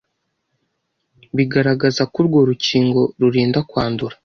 bigaragaza ko urwo rukingo rurinda kwandura